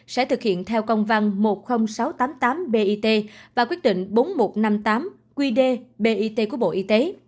sẽ thực hiện theo công văn một mươi nghìn sáu trăm tám mươi tám bit và quyết định bốn nghìn một trăm năm mươi tám qd bit của bộ y tế